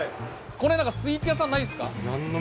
この辺何かスイーツ屋さんないですか？